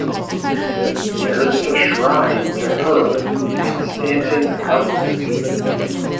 There is a shrine to her at Stanton Harcourt.